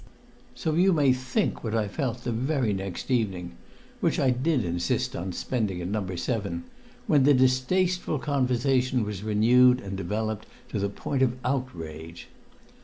So you may think what I felt the very next evening which I did insist on spending at No. 7 when the distasteful conversation was renewed and developed to the point of outrage.